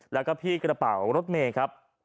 แล้วก็พี่กระเป๋ารถเมย์ครับ